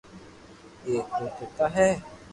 ايڪ رو پيتا ھي